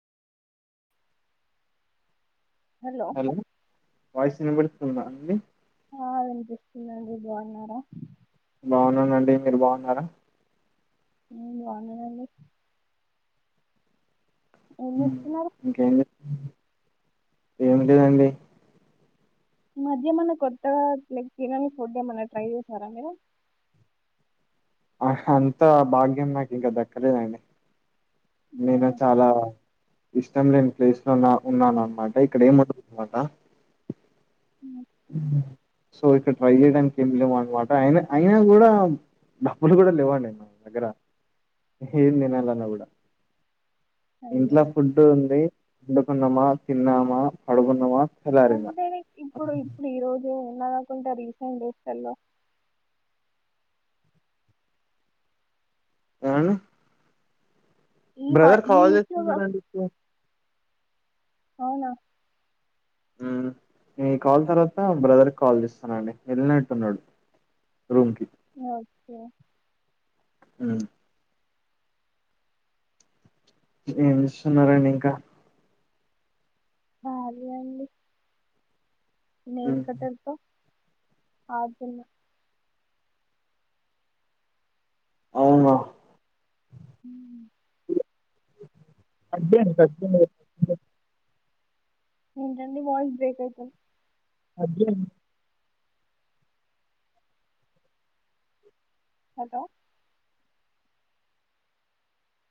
Hello voice వినబడుతుందా అండి ఆ వినిపిస్తుందండి బాన్నారా బాగున్నానండి మీరు బాన్నారా హ్మ్ బాన్నానండి చేస్తున్నారు ఇంకేం ఏమింటదండి ఈ మధ్య ఏమన్నా కొత్తగా లైక్ తినని ఫుడ్ ఏమన్నా ట్రై చేసారా మీరు ఆ అంత భాగ్యం నాకు ఇంకా దక్కలేదండి నేను అవునా? చాలా ఇష్టం లేని ప్లేస్లోన్నా ఉన్నాను అనమాట ఇక్కడ ఏము ఉండదనమాట ఓకే. సో ఇక్కడ ట్రై చేయడానికి ఏం లేవు అనమాట అయ అయినా కూడా డబ్బులు కూడా లేవండి నా దగ్గర ఏేం నేనాలనా కూడాడ [unintelligible] అయ్యో ఇంట్లో ఫుడ్ ఉంది వండుకున్నామా తిన్నామా పడుకున్నామా తెల్లారిందా అంటే లైక్ ఇప్పుడు ఇప్పుడు ఈ [inaudible] ఏమండి ఈ వా బ్రదర్ ఈ కాల్ వీక్ లో కా- చేస్తున్నారంండి ఇప్పుడు అవునా హ్మ్ మీ కాల్ తర్వాత బ్రదర్కి కాల్ చేస్తానండి వెళ్ళినట్టున్నాడు రూమ్కిి ఓకే హ్మ్ ఏం చేస్తున్నారండి ఇంకా ఆ అదే అండి హ్మ్. నైలకట్టర్ తో [inaudible] అవునా [inaudible] [inaudible] రండి వాయిస్ బ్రేక్ అవుతోంది [inaudible] హలో